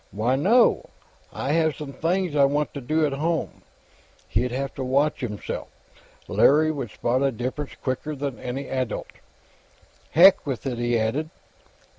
"Why, no. I have some things I want to do at home." He'd have to watch himself. Larry would spot a difference quicker than any adult. "Heck with it," he added.